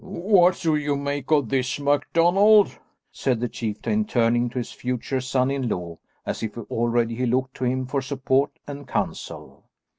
"What do you make of this, MacDonald?" said the chieftain, turning to his future son in law, as if already he looked to him for support and counsel.